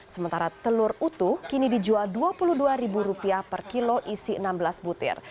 sementara telur utuh kini dijual rp dua puluh dua per kilo isi enam belas butir